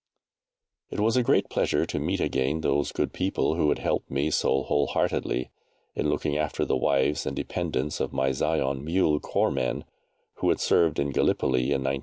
It was a great pleasure to meet again those good people who had helped me so wholeheartedly in looking after the wives and dependents of my Zion Mule Corps men who had served in Gallipoli in 1915.